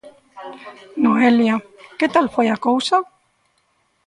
Noelia, que tal foi a cousa?